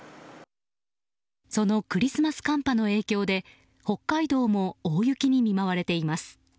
そのクリスマス寒波の影響で北海道も大雪に見舞われています。